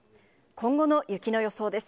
今後の雪の予想です。